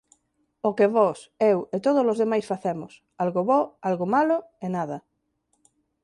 O que vós, eu e tódolos demais facemos: algo bo, algo malo e nada.